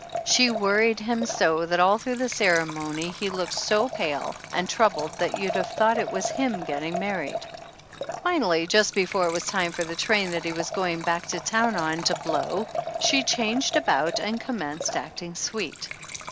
She worried him so that all through the ceremony he looked so pale and troubled that you'd have thought it was him getting married. Finally, just before it was time for the train that he was going back to town on to blow she changed about and com menced acting sweet.